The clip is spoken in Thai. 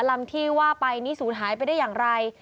ลำที่ว่าไปนี่ศูนย์หายไปได้อย่างไร